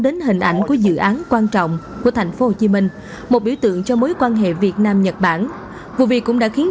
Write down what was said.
đến hình ảnh của dự án quan trọng của tp hcm một biểu tượng cho mối quan hệ việt nam nhật bản